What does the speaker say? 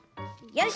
よし。